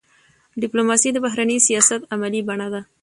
ډيپلوماسي د بهرني سیاست عملي بڼه ده.